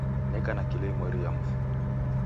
Neka na kilo imweri ya mfu.